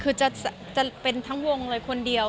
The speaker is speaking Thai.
คือจะเป็นทั้งวงเลยคนเดียว